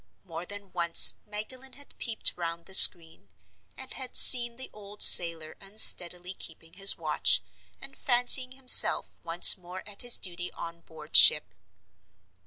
More than once Magdalen had peeped round the screen, and had seen the old sailor unsteadily keeping his watch, and fancying himself once more at his duty on board ship.